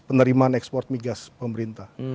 penerimaan ekspor migas pemerintah